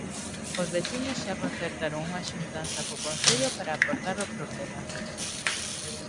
Os veciños xa concertaron unha xuntanza co Concello para abordar o problema.